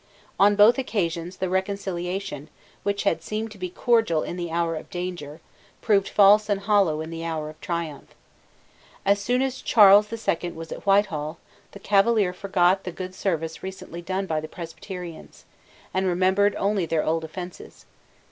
On both occasions the reconciliation, which had seemed to be cordial in the hour of danger, proved false and hollow in the hour of triumph. As soon as Charles the Second was at Whitehall, the Cavalier forgot the good service recently done by the Presbyterians, and remembered only their old offences.